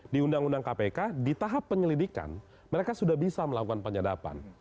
di undang undang kpk di tahap penyelidikan mereka sudah bisa melakukan penyadapan